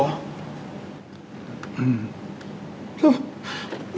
อืม